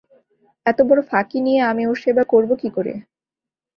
এতবড়ো ফাঁকি নিয়ে আমি ওঁর সেবা করব কী করে?